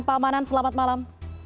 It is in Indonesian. pak manan selamat malam